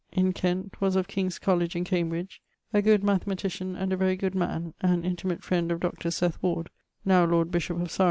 in Kent, was of Colledge in Cambridge, a good mathematician and a very good man, an intimate friend of Dr. Seth Ward (now lord bishop of Sarum).